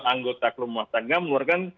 anggota rumah tangga mengeluarkan